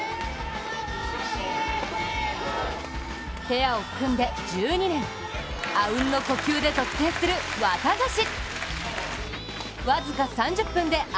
ペアを組んで１２年あうんの呼吸で得点するワタガシ。